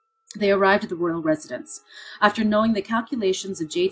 they arrived at the royal residence. After knowing the calculations of J.